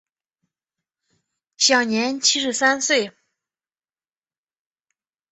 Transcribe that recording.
享年七十三岁。